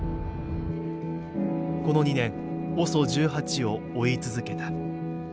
この２年ＯＳＯ１８を追い続けた。